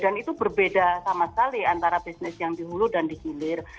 dan itu berbeda sama sekali antara bisnis yang dihulu dan dihilir